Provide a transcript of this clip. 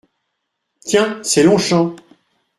Tiens ! c’est Longchamps !